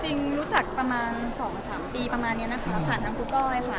จริงรู้จักประมาณ๒๓ปีประมาณนี้นะคะผ่านทางครูก้อยค่ะ